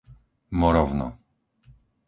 Morovno